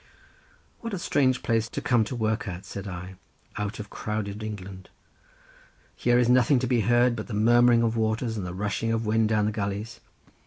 "What a strange place to come to work at," said I, "out of crowded England. Here is nothing to be heard but the murmuring of waters and the rushing of wind down the gulleys.